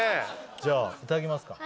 じゃあいただきますか。